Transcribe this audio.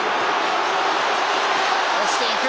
押していく！